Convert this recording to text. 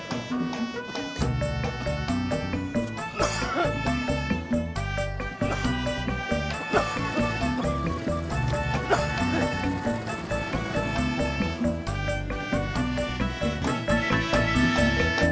bukan buat beli obat batuk